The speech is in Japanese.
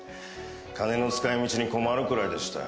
金の使い道に困るくらいでしたよ。